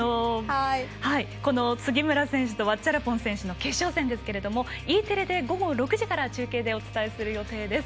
杉村選手とワッチャラポン選手の決勝戦ですがＥテレで午後６時から中継でお伝えする予定です。